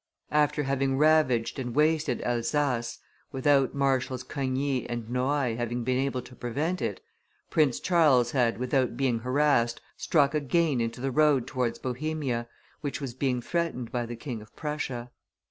After having ravaged and wasted Elsass, without Marshals Coigny and Noailles having been able to prevent it, Prince Charles had, without being harassed, struck again into the road towards Bohemia, which was being threatened by the King of Prussia.